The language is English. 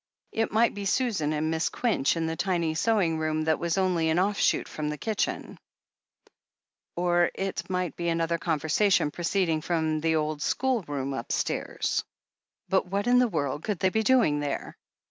It might be Susan and Miss Quinch in the tiny sewing room that was only an offshoot of the kitchen — or it might be another conversation proceeding from the old school room upstairs. But what in the world could they be doing there?